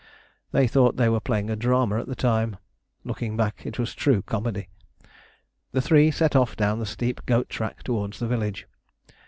They thought they were playing a drama at the time: looking back it was true comedy. The three set off down the steep goat track towards the village.